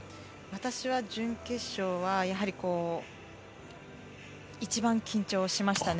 私は準決勝はやはり一番緊張しましたね。